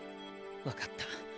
分かった。